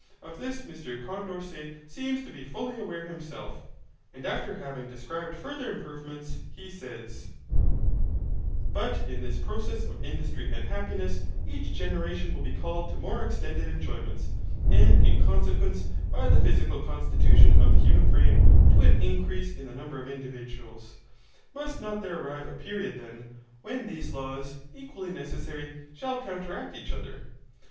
Of this Mr Condorcet seems to be fully aware himself, and after having described further improvements, he says: But in this process of industry and happiness, each generation will be called to more extended enjoyments, and in consequence, by the physical constitution of the human frame, to an increase in the number of individuals. Must not there arrive a period then, when these laws, equally necessary, shall counteract each other?